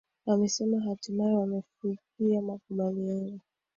amesema hatimaye wamefikia makubaliano